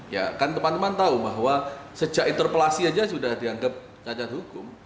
ya kan teman teman tahu bahwa sejak interpelasi saja sudah dianggap cacat hukum